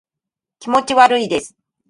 気持ち悪いです